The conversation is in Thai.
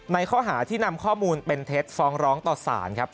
ในข้อหาที่นำข้อมูลเป็นเท็จฟ้องร้องต่อสารครับ